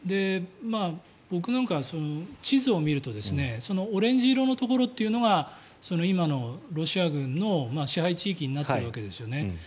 僕なんかは地図を見るとオレンジ色のところというのが今のロシア軍の支配地域になっているわけですよね。